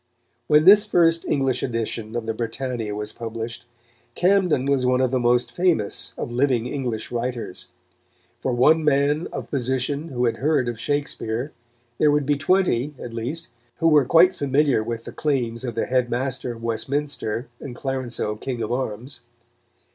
When this first English edition of the Britannia was published, Camden was one of the most famous of living English writers. For one man of position who had heard of Shakespeare, there would be twenty, at least, who were quite familiar with the claims of the Head master of Westminster and Clarenceux King of Arms.